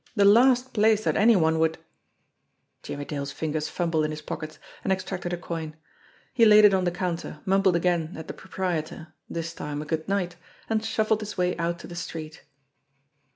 The last place that any one would Jimmie Dale's fingers fumbled in his pockets, and extracted a coin. He laid it on the counter, mumbled again at the ENGLISH STEVE , 171 proprietor this time, a good night and shuffled his way out to the street.